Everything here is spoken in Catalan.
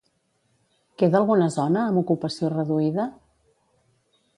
Queda alguna zona amb ocupació reduïda?